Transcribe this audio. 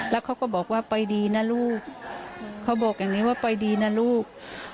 แล้วเขาก็บอกว่าไปดีนะลูกเขาบอกอย่างนี้ว่าไปดีนะลูก